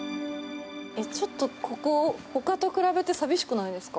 えっ、ちょっとここほかと比べて寂しくないですか？